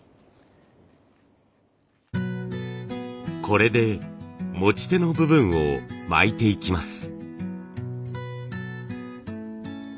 これで持ち手の部分を巻いていきます。